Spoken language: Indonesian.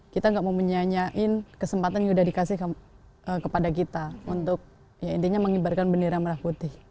kita gak mau menyanyiain kesempatan yang sudah dikasih kepada kita untuk ya intinya mengibarkan bendera merah putih